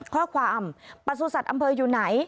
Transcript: ข้อความประสูจน์สัตว์อำเภออยู่ไหน